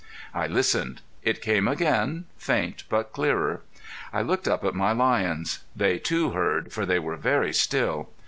I listened. It came again, faint but clearer. I looked up at my lions. They too heard, for they were very still.